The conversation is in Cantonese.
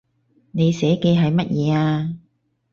你寫嘅係乜嘢呀